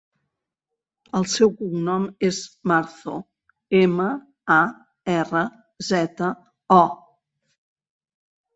El seu cognom és Marzo: ema, a, erra, zeta, o.